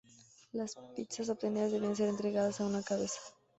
Las pizzas obtenidas, debían ser entregadas a una cabeza.